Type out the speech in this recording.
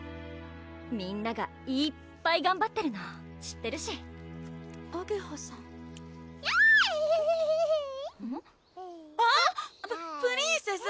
みんながいっぱいがんばってるの知ってるしあげはさんきゃははあっ！プリンセス！